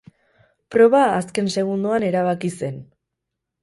Proba azken segundoan erabaki zen.